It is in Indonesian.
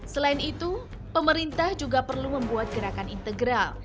selain itu pemerintah juga perlu membuat gerakan integral